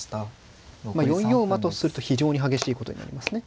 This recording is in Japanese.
４四馬とすると非常に激しいことになりますね。